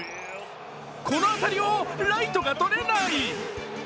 このあたりをライトがとれない。